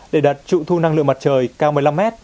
để đặt trụ thu năng lượng mặt trời cao một mươi năm mét